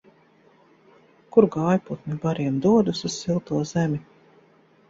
Kur gājputni bariem dodas un silto zemi?